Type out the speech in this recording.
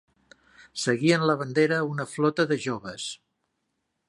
Seguien la bandera una flota de joves.